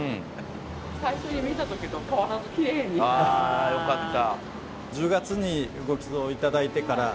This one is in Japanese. あよかった。